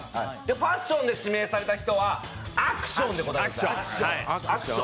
ファッションで指名された人はアクションって答えてください。